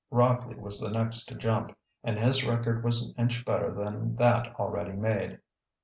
Rockley was the next to jump, and his record was an inch better than that already made.